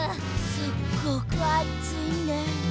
すっごくあついね。